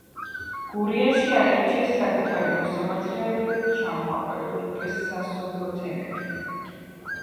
გურიაში აირჩიეს საკუთარი მოსამართლეები და ჩამოაყალიბეს სასოფლო თემები.